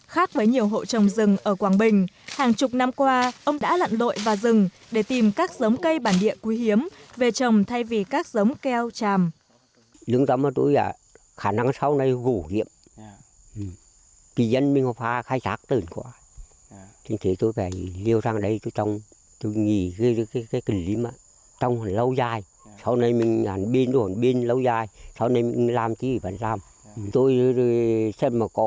khác với nhiều hộ trồng rừng ở quảng bình hàng chục năm qua ông đã lặn lội vào rừng để tìm các giống cây bản địa quý hiếm về trồng thay vì các giống keo tràm